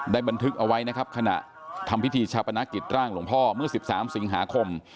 บันทึกเอาไว้นะครับขณะทำพิธีชาปนกิจร่างหลวงพ่อเมื่อ๑๓สิงหาคม